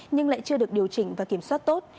nhưng lại chưa được điều chỉnh và kiểm soát tốt